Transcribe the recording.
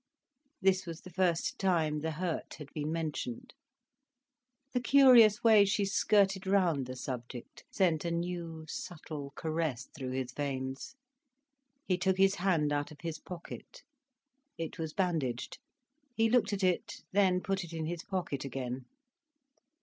This was the first time the hurt had been mentioned. The curious way she skirted round the subject sent a new, subtle caress through his veins. He took his hand out of his pocket. It was bandaged. He looked at it, then put it in his pocket again.